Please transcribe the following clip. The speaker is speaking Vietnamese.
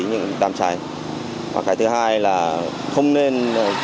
những đám cháy và cái thứ hai là không nên